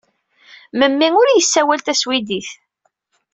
Memmi ur yessawal taswidit.